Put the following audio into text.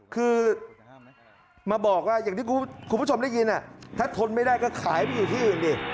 คือมาบอกว่าอย่างที่คุณผู้ชมได้ยินถ้าทนไม่ได้ก็ขายไปอยู่ที่อื่นดิ